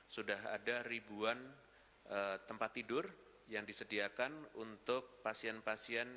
sudah ada ribuan tempat tidur yang disediakan untuk pasien pasien